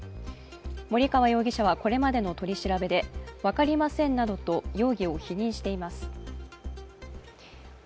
森川容疑者はこれまでの取り調べで分かりませんなどと容疑を否認しています。